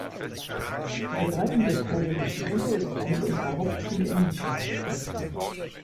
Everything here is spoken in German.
Die Verbreitung der thailändischen Küche ist eines unserer Hauptziele in Nischenmärkten.